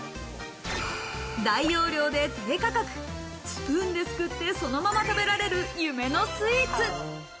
大容量で低価格、スプーンですくってそのまま食べられる夢のスイーツ。